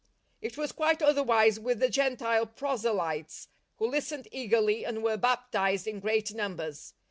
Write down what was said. It was quite otherwise with the Gentile prose lytes, who listened eagerly and were baptized in great numbers.